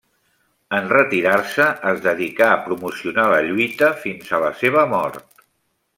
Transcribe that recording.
En retirar-se es dedicà a promocionar la lluita fins a la seva mort.